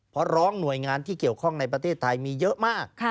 เพราะร้องหน่วยงานที่เกี่ยวข้องในประเทศไทยมีเยอะมาก